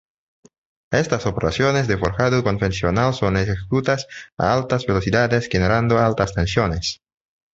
Estas operaciones de forjado convencional son ejecutadas a altas velocidades, generando altas tensiones.